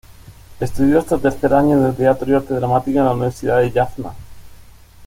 Estudió hasta tercer año de Teatro y Arte Dramático en la Universidad de Jaffna.